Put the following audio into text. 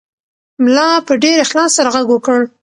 ملا په ډېر اخلاص سره غږ وکړ.